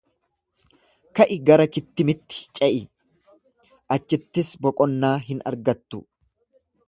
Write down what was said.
Ka'ii gara Kittimitti ce'i, achittis boqonnaa hin argattu.